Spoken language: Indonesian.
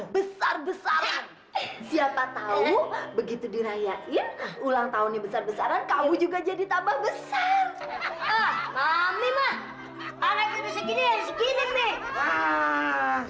besar besaran siapa tahu begitu dirayain ulang tahunnya besar besaran kamu juga jadi tambah besar